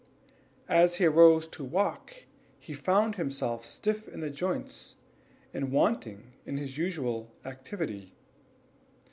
As he rose to walk, he found himself stiff in the joints, and wanting in his usual activity.